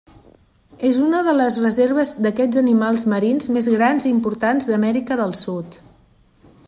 És una de les reserves d'aquests animals marins més grans i importants d'Amèrica del Sud.